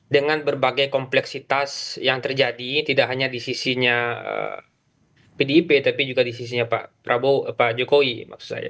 dengan berbagai kompleksitas yang terjadi tidak hanya di sisinya pdip tapi juga di sisinya pak jokowi maksud saya